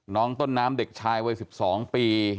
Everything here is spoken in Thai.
น้องต้นน้ำเด็กชายวัย๑๒ปี